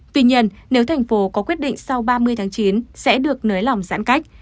tuy nhiên nếu tp hcm có quyết định sau ba mươi tháng chín sẽ được nới lỏng giãn cách